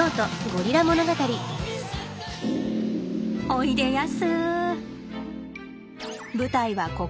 おいでやす。